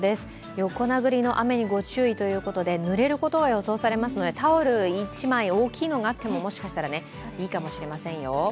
横殴りの雨にご注意ということでぬれることが予想されますのでタオル一枚、大きいのがあってももしかしてもいいかもしれませんよ。